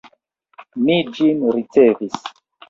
Mi ĝin ricevis.